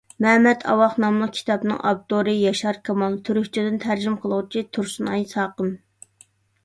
«مەمەت ئاۋاق» ناملىق كىتابنىڭ ئاپتورى: ياشار كامال؛ تۈركچىدىن تەرجىمە قىلغۇچى: تۇرسۇنئاي ساقىم